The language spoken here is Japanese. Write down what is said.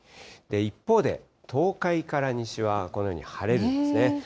一方で、東海から西はこのように晴れるんですね。